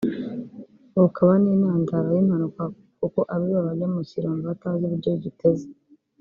bukaba n’intandaro y’impanuka kuko abiba bajya mu kirombe batazi uburyo giteze